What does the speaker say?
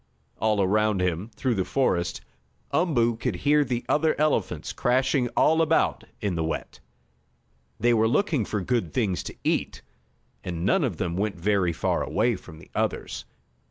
All around him, through the forest, Umboo could hear the other elephants crashing about in the wet. They were looking for good things to eat, and none of them went very far away from the others.